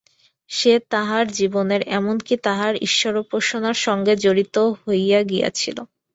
সে তাঁহার জীবনের, এমন-কি, তাঁহার ঈশ্বরোপাসনার সঙ্গে জড়িত হইয়া গিয়াছিল।